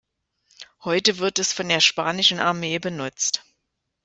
Heute wird es von der spanischen Armee benutzt.